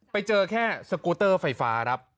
ไปเจอแค่สกูเตอร์ไฟฟ้าครับ